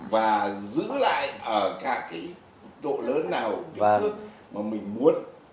và giữ lại ở cả độ lớn nào mà mình muốn